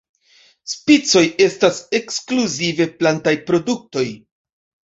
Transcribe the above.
Spicoj estas ekskluzive plantaj produktoj.